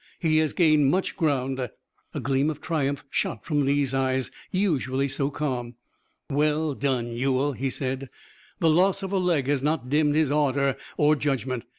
He has gained much ground." A gleam of triumph shot from Lee's eyes, usually so calm. "Well done, Ewell!" he said. "The loss of a leg has not dimmed his ardor or judgment.